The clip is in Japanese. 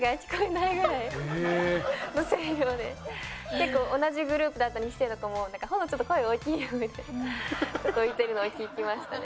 結構同じグループだった二期生とかも「保乃ちょっと声が大きいよ」って言ってるのを聞きましたね。